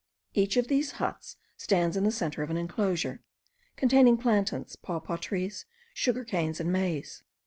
Each of these huts stands in the centre of an enclosure, containing plantains, papaw trees, sugar canes, and maize.